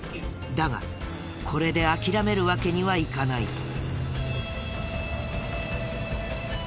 だがこれで諦めるわけにはいかない。